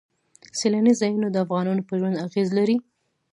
سیلاني ځایونه د افغانانو په ژوند اغېزې لري.